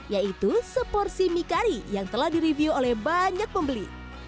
yaitu seporsi mie kari yang telah direview oleh banyak pembeli